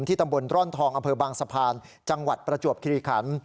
ตำบลร่อนทองอำเภอบางสะพานจังหวัดประจวบคิริขัน